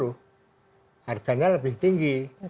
harganya lebih tinggi